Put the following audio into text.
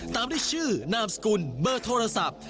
ตามด้วยชื่อนามสกุลเบอร์โทรศัพท์